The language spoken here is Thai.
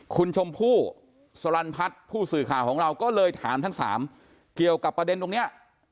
คุณชมพู่สลันพัฒน์ผู้สื่อข่าวของเราก็เลยถามทั้งสามเกี่ยวกับประเด็นตรงนี้